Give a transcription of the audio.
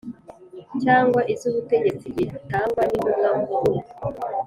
cyangwa iz ubutegetsi gitangwa n intumwa nkuru